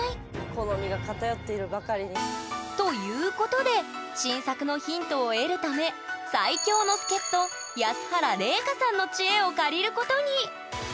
好みが偏っているばかりに。ということで新作のヒントを得るため最強の助っと安原伶香さんの知恵を借りることに！